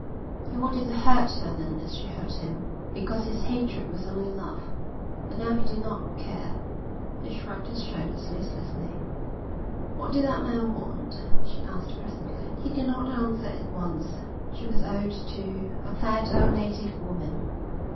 He wanted to hurt her then as she hurt him, because his hatred was only love. But now he did not care. He shrugged his shoulders listlessly. "What did that man want?" she asked presently. He did not answer at once. She was old too, a fat old native woman.